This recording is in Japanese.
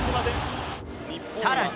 さらに。